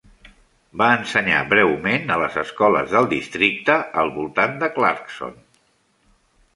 Va ensenyar breument a les escoles del districte al voltant de Clarkson.